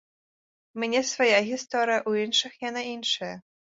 У мяне свая гісторыя, у іншых яна іншая.